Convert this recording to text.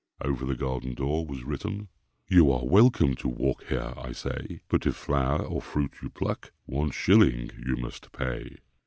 Over the garden door was written "You are welcome to walk here I say, But if flower or fruit you pluck One shilling you must pay."